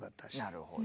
なるほど。